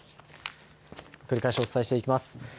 繰り返しお伝えしていきます。